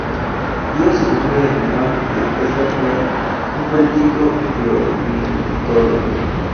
Lleva su nombre en honor de Edward Grey, un político y ornitólogo.